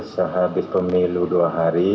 sehabis pemilu dua hari